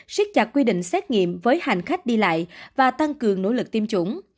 siết chặt quy định xét nghiệm với hành khách đi lại và tăng cường nỗ lực tiêm chủng